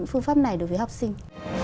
phương pháp này đối với học sinh